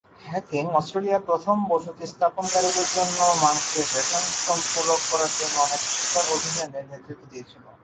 Hacking অস্ট্রেলিয়ার প্রথম বসতি স্থাপনকারীদের জন্য মাংসের রেশন সম্পূরক করার জন্য অনেক শিকার অভিযানের নেতৃত্ব দিয়েছিল।